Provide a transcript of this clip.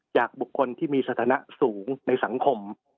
จากบุคคลที่มีสถานะสูงในสังคม